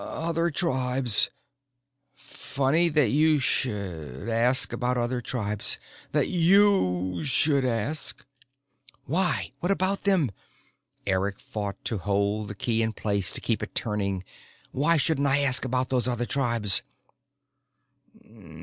"Other tribes. Funny that you should ask about other tribes. That you should ask." "Why? What about them?" Eric fought to hold the key in place, to keep it turning. "Why shouldn't I ask about those other tribes?"